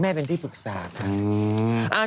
เป็นที่ปรึกษาค่ะ